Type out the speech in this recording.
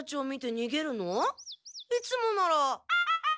いつもなら。